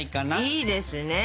いいですね！